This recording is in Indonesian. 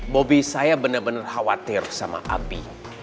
bobby saya benar benar khawatir sama abi